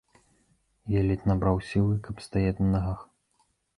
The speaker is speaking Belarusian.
Я ледзь набраў сілы, каб стаяць на нагах.